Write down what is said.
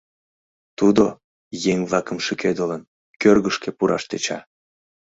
Тудо, еҥ-влакым шӱкедылын, кӧргышкӧ пураш тӧча.